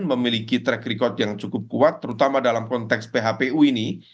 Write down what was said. memiliki track record yang cukup kuat terutama dalam konteks phpu ini